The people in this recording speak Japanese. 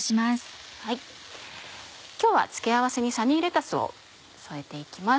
今日は付け合わせにサニーレタスを添えて行きます。